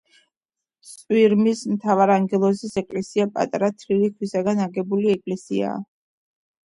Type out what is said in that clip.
წვირმის მთავარანგელოზის ეკლესია პატარა, თლილი ქვისგან აგებული ეკლესიაა.